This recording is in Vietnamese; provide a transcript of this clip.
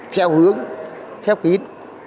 theo hướng khép kín